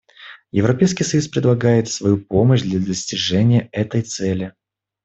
Европейский союз предлагает свою помощь для достижения этой цели.